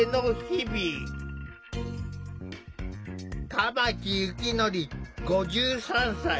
玉木幸則５３歳。